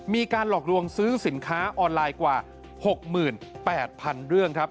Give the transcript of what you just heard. มีการหลอกลวงซื้อสินค้าออนไลน์กว่า๖๘๐๐๐เรื่องครับ